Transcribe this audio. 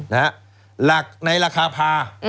หลักในราคาพา